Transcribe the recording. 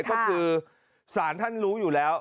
ก็คือศาลท่านรู้อยู่แล้ว